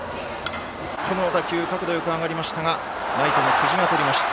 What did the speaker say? この打球角度よく上がりましたがライト、久慈がとりました。